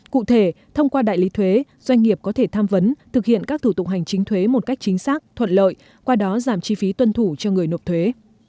cụ thể thông qua đại lý thuế doanh nghiệp có thể tham vấn thực hiện các thủ tục hành chính thuế một cách chính xác thuận lợi qua đó giảm chi phí tuân thủ cho người nộp thuế